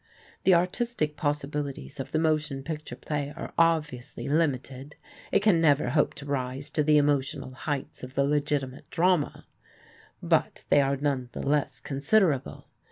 The artistic possibilities of the motion picture play are obviously limited it can never hope to rise to the emotional heights of the legitimate drama but they are none the less considerable.